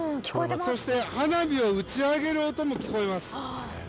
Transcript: そして、花火を打ち上げる音も聞こえます。